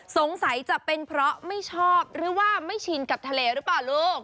จะเป็นเพราะไม่ชอบหรือว่าไม่ชินกับทะเลหรือเปล่าลูก